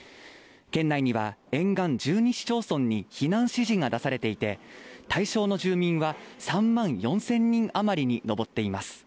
県内には沿岸１２市町村に避難指示が出されていて対象の住民は３万４０００人あまりに上っています。